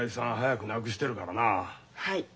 はい。